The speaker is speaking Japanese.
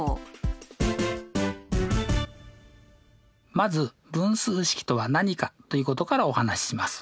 まず分数式とは何かということからお話しします。